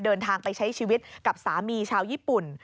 เดินทางไปใช้ชีวิตกับสามีชาวญี่ปุ่น